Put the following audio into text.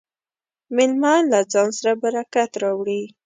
مېلمه له ځان سره برکت راوړي.